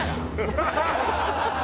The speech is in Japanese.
ハハハハ！